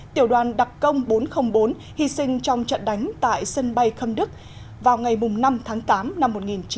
tiểu đoàn đặc công bốn trăm linh bốn hy sinh trong trận đánh tại sân bay khâm đức vào ngày năm tháng tám năm một nghìn chín trăm bảy mươi